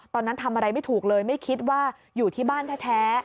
ตอนนั้นทำอะไรไม่ถูกเลยไม่คิดว่าอยู่ที่บ้านแท้